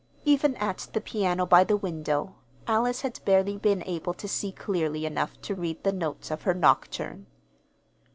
Even at the piano by the window, Alice had barely been able to see clearly enough to read the notes of her nocturne.